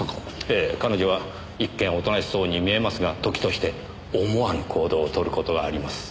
ええ彼女は一見おとなしそうに見えますが時として思わぬ行動を取る事があります。